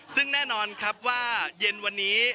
ซึ่งแน่นอนครับว่าเย็นวันนี้